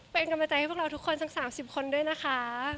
เป็นกำลังใจให้พวกเราทุกคนสัก๓๐คนด้วยนะคะ